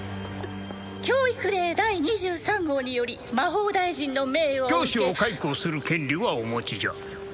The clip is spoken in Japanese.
教育令第２３号により魔法大臣の命を受け教師を解雇する権利はお持ちじゃ